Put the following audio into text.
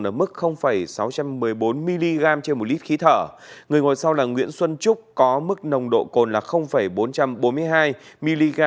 ở mức sáu trăm một mươi bốn mg trên một lít khí thở người ngồi sau là nguyễn xuân trúc có mức nồng độ cồn là bốn trăm bốn mươi hai mg